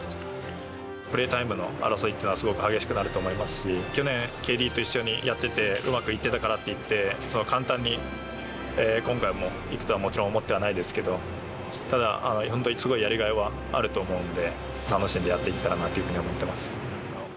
プレータイムの争いっていうのは、すごく激しくなると思いますし、去年、ＫＤと一緒にやっててうまくいってたからっていって、簡単に今回もうまくいくとはもちろん思ってはないですけど、ただ、本当、すごいやりがいはあると思うんで、楽しんでやっていけたらなというふうに思ってます。